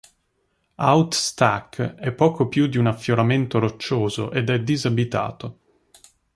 Out Stack è poco più di un affioramento roccioso, ed è disabitato.